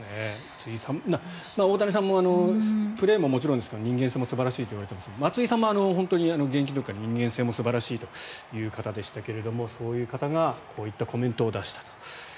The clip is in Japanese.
大谷さんもプレーももちろんですけど人間性が素晴らしいといわれていて松井さんも本当に現役の時から人間性も素晴らしい方ですがそういう方がこういったコメントを出したと。